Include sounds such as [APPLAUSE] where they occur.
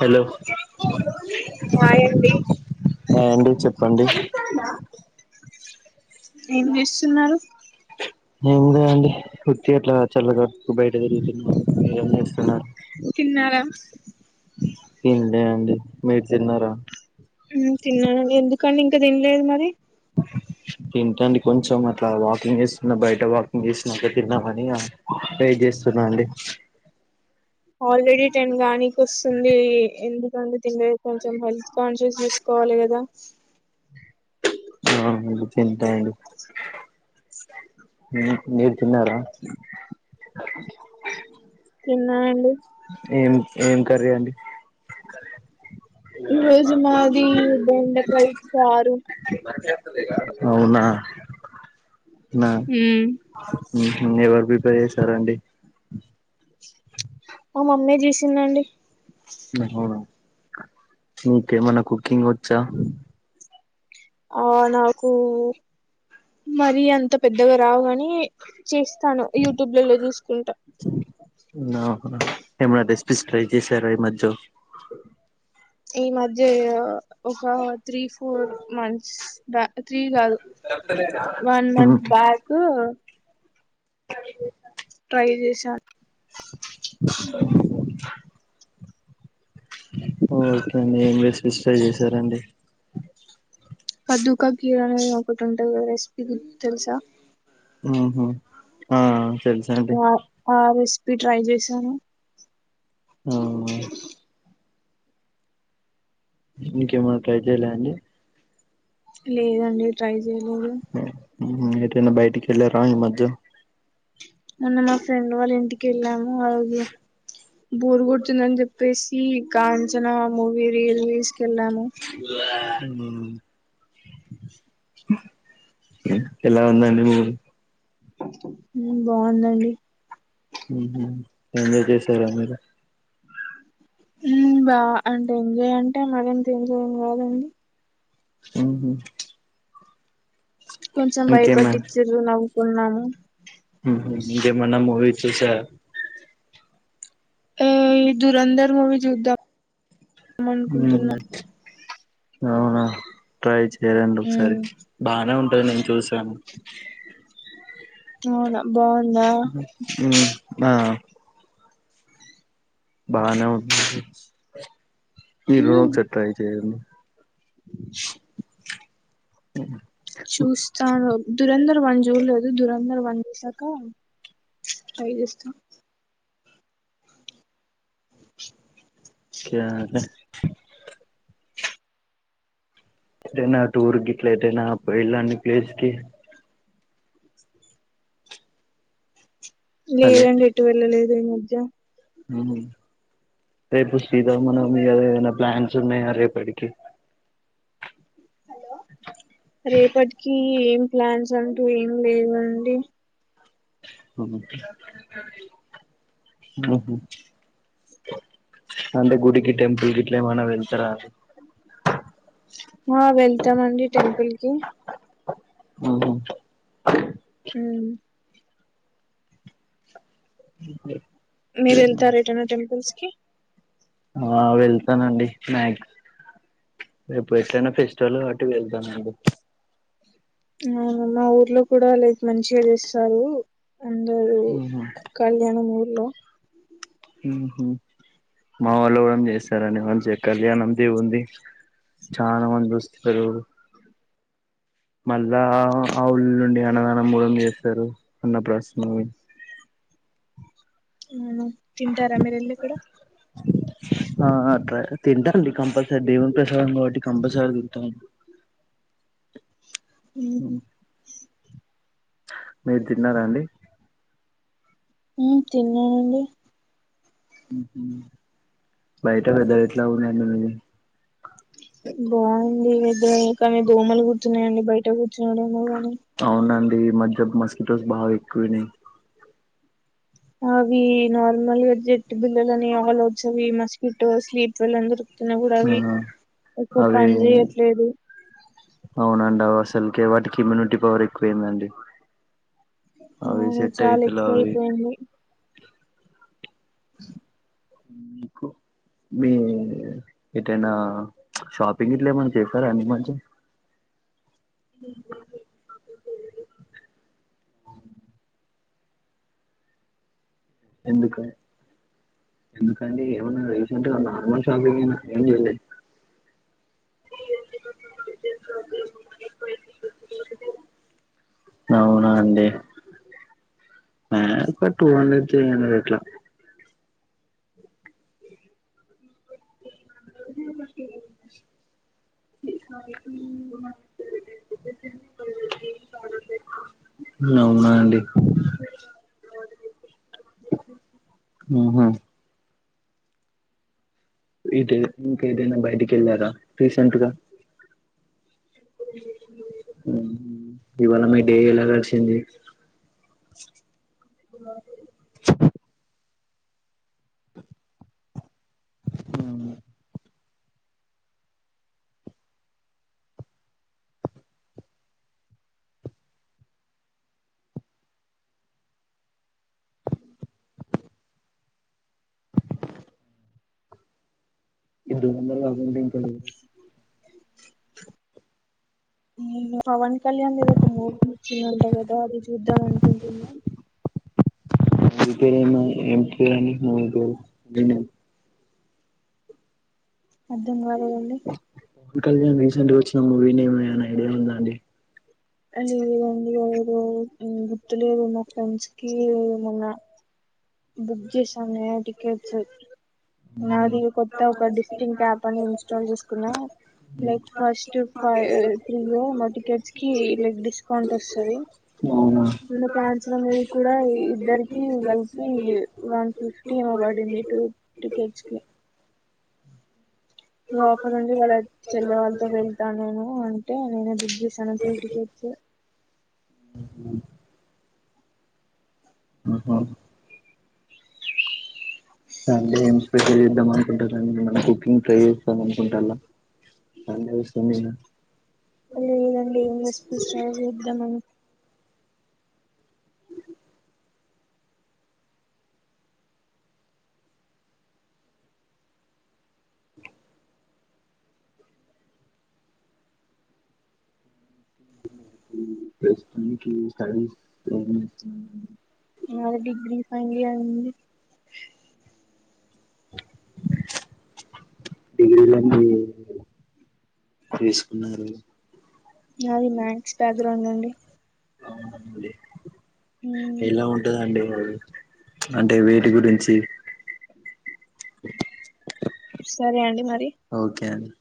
hello hi అండి hi అండి చెప్పండి ఏం చేస్తున్నారు ఏమలెదండి [UNINTELLIGIBLE] [UNINTELLIGIBLE] బయట తిరుగుతున్నారు మీరేం చేస్తున్నారు తిన్నారా ఎం అండి మీరు తిన్నార తిన్నానండి ఎందుకండి ఇంకా తిన్లేదు మరి అ తింటండి కొంచెం అట్ల వాకింగ్ చేస్తున్న బయట వాకింగ్ చేసి [UNINTELLIGIBLE] తిన్నామని [UNINTELLIGIBLE] స్తున్నా అండి ఆల్రెడీ టెన్ కానీ వస్తుంది ఎందుకంటే తిం కొంచెం హెల్త్ కాన్షియస్సుకో కోవాలి కదా ఆ తింటా అండి మీరు తిన్నార తిన్నా అండి ఏం ఏం కర్రీ అండి ఈ రోజు మాది బెండకాయ్ చారు అవునా నా ఎవరు ప్రిపేర్ చేసారండి మా మమ్మీ చేసిందండి అవునా నీకేమన కుకింగ్ వచ్చా ఆ నాకు మరి అంత పెద్దగ రావుగాని చేస్తాను యూట్యూబ్లలో చూసుకుంటా హ ఏమన్నా రెసిపీస్ ట్రై చేశార ఈ మధ్య ఈ మధ్య ఒక త్రీ ఫోర్ మంత్స్ త్రీ కాదు చెప్తలేదా వన్ మంత్ బ్యాకు సర ట్రై చేస ఒకే అండి [UNINTELLIGIBLE] చేసారండి కద్దుకా కీర్ అనేది ఒకటి ఉంటది రెసిపీ గురించి తెలుసా హు హు ఆ తెలుసండి ఆ ఆ రెసిపీ ట్రై చేసాను ఆ ఇంకేమన్నా ట్రై చేయ్యలే అండి లేదండి ట్రై చేయలేదు ఉహు, ఎటైనా బయటికి ఎలార ఇ మధ్య మొన్న మా ఫ్రెండ్ వాళ్ళ ఇంటికి వెళ్ళాము ఆ రజు బోరు కొడుతుందని చెప్పే ఈ కాంచన మూవీ రీ రిలీజ్కెళ్ళాము ఉమ్, ఎలా [UNINTELLIGIBLE] బాగుందండి ఎంజాయ్ చేసార మీరు మ్ బా అంటే ఎంజాయ్ అంటే మరి అంత ఎంజాయ్ ఏం కాదండి ఉమ్ హు కొంచెం భయపట్టించిరు నవ్వుకున్నాము ఇంకేం ఇంకేమన మూవీ చూసారా అ దూరందర్ మూవీ జద్దమ్ ఉమ్, మనుకుంటున్నం అవునా ట్రై చేయాలండి ఒకసారి బానే ఉంటది నేను చూసాను అవునా బాగుందా ఉమ్, ఆ బానే ఉంది మీరున మ్మ్ ఒకసారి ట్రై చెయండి ఉ చూస్తాను దురంధర్ వన్ చూడలేదు దురంధర్ వన్ చూసాక అది చూస్తా ఇంకేం అండి ఎటైన టూర్ గిట్ల ఎటైన పోయిళ్ళ అండి ప్లేస్కి లేదండి ఎటు వెళ్ళలేదు ఈ మధ్య ఉమ్ రేపు శ్రీరవణవమి కదా ఏదైనా ప్లాన్స్ ఉన్నాయా రేపు పడికి అ రేపటికి ఏం ప్లాన్స్ అంటూ ఏం లేవండి ఉమ్ ఉహ్మ్ హు అంటే గుడికి టెంపుల్కి ఇట్లా ఏమైన్నా వెళ్తారా ఆ వెళ్తామండి టెంపుల్కి ఉహ్మ్ హూ ఉమ్ ఉమ్ హు మీరు వెళ్తార ఏటనా టెంపుల్స్ కి ఆ వెళ్తానండి నెట్ రేపు ఎట్లేన ఫెస్టివల్గా మరి టి వెళ్తనండి అవును మా ఊర్లో కూడా రేప్ మంచిగా చేస్తారు అందరూ ఉహు కళ్యాణం ఊర్లో ఉమ్ హు మా ఉలోంగు చేస్తారండి మంచిగా కళ్యాణం దే ఉంది చానా మంది వస్తుంటారు మళ్ళా ఆ ఊళ నుండి అన్నదానం మూడం చేస్తారు అన్న ప్రశ్న అవున తింటారండి వెళ్ళి అక్కడ ఆ అ తింటారండి కంపల్సరీ దేవన్ ప్రసాదం కాబట్టి కంపల్సరీ తింటాడి ఉమ్ హు మీరు తిన్నారా అండి ఉమ్ తిన్నానండి ఉమ్ హు బయటనే బయట్ల ఉనమండి మేము బాగుంది ఇద్ద కానీ దోమలు కూర్చున్నాయండి బయట కూర్చోవడం వల్ల అవునండి ఈ మధ్య మస్కిటోస్ బాగా ఎక్కువనాయి అవి నార్మల్ జట్ బిల్లని అలౌట్స్ ఇవి మిస్కిటోస్ స్లీప్ విలన్ దొరుక్ తున్నా కూడా అవి ఆ ఎక్కువ అవి పని చేయట్లేదు ఆ అసలుకే వాటికి ఇమ్యూనిటీ పవర్ ఎక్కువ ఏందండి అవి అవును సెట్ చాలా అయితలేవ్ ఎక్కువ అవి అయిపోయింది అ మీకు మీ ఏదైనా షాపింగ్ ఇట్లా ఏమన్నా చేస్తారా అన్న మంచిం హ ఎందుకు ఎందుక ఏవనా రీసెట్గా నర్మల్ షాపింగ్ అ అవునా అండి ఆ ఇ టూ హండ్రెడ్ త్రీ హండ్రెడ్ ఇట్లా శం కాద అవునా అండి ఆా ఇద ఇంకా ఇదేనా బయటికి వెళ్ళార రీసెంట్గా ఇవాళ మీ డే ఎలా కలిసింది అ అ ఇ అందకా పవన్ కళ్యాణ్ మీద ఒక మూవీ ఇచ్చిందంట కదా అది చూద్దాం అనుకుంటున్నా మ పేరుయిన్న ఎేరుని మూడు పేరు అ అద్దం వారళ పవన్ కళ్యాణ్ రీసెంట్ వచ్చిన మూవీ నేమ్ అ్యా ఐడియా ఉందా అండి లేదు లేదండి ఎరు గుర్తులేరు మా ఫ్రెండ్స్ కి ఏమన్నా బుక్ చేసా న టికెట్స్ నాది కొత్త ఒక డిస్టింక్ యాప్ అని ఇన్స్టాల్ చేసుకున్నా లైక్ ఫస్ట్ ఫైవ్ త్రీ మా టికెట్స్ కి లైక్ డిస్కౌంట్ వస్తుంది ఆ మన ప్రన్సన్ అనేది కూడా ఇద్దరికి కలిపి వన్ ఫిఫ్టీ ఇవ్వబడింది టూ టికెట్స్ ఇ ఆఫర్ నుండి ఇళ్ళ చెల్లె వాళ్ళతో వెళ్తాను నేను అంటే నేనే బుక్ చేశాను త్రీ టికెట్ స ఆహ సే స్పెషలీద్దమా ఫ కుకింగ్ై అనుకుంటలా అద లేదండి ఏంసిపి స్ చేద్దామని [UNINTELLIGIBLE] మది డిగ్రీ ఫంది అంది డిగ్రీలన్నీ తీసుకున్నారు అది మ్యాక్స్ బ్యాక్గ్రౌండ్ అండి అవునండి ఎలా ఉంటదండి వా అంటే వేటి గురించి సరే అండి మరి ఓకే అండి